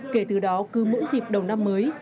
kể từ đó cứ mỗi dịp đầu năm mới